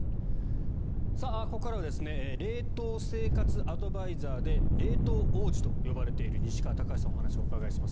ここからは冷凍生活アドバイザーで冷凍王子と呼ばれている西川剛史さんにお話をお伺いします。